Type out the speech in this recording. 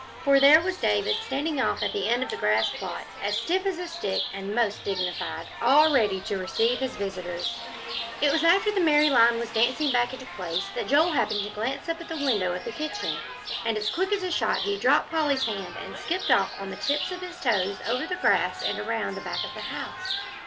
for there was David standing off at the end of the grass plot, as stiff as a stick, and most dignified, all ready to receive his visitors. It was after the merry line was dancing back into place that Joel happened to glance up at the window of the kitchen. And as quick as a shot he dropped Polly's hand and skipped off on the tips of his toes over the grass and around the back of the house.